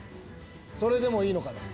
それでもいいのかね？